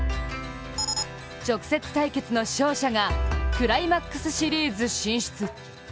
直接対決の勝者がクライマックスシリーズ進出。